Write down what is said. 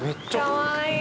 かわいい。